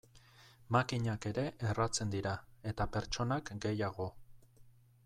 Makinak ere erratzen dira, eta pertsonak gehiago.